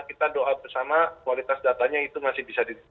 kita doa bersama kualitas datanya itu masih bisa di